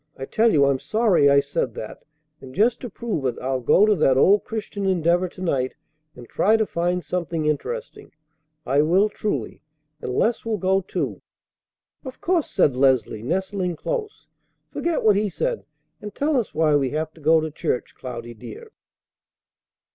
I tell you I'm sorry I said that; and just to prove it I'll go to that old Christian Endeavor to night, and try to find something interesting. I will truly. And Les will go, too!" "Of course!" said Leslie, nestling close. "Forget what he said, and tell us why we have to go to church, Cloudy, dear."